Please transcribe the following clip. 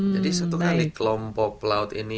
jadi satu kali kelompok pelaut ini